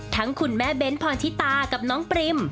ทั้งคุณแม่เบ้นท์พอลชิตากับน้องปริม